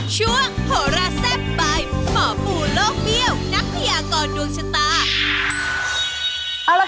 สวัสดีครับ